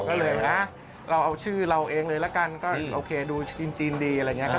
ก็เลยเราเอาชื่อเราเองเลยละกันก็โอเคดูจีนดีอะไรอย่างนี้ครับ